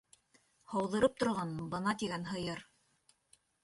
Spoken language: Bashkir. — Һауҙырып торған бына тигән һыйыр.